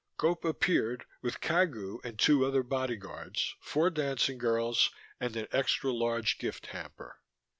Gope appeared, with Cagu and two other bodyguards, four dancing girls, and an extra large gift hamper.